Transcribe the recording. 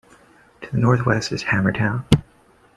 To the northwest is Hammertown.